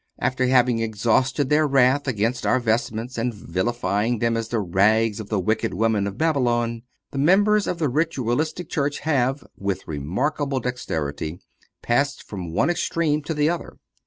After having exhausted their wrath against our vestments, and vilified them as the rags of the wicked woman of Babylon, the members of the Ritualistic church have, with remarkable dexterity, passed from one extreme to the other.